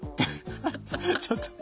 ちょっと。